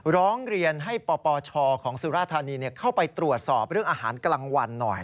ร้องเรียนให้ปปชของสุราธานีเข้าไปตรวจสอบเรื่องอาหารกลางวันหน่อย